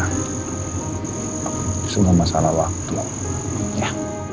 itu semua masalah waktu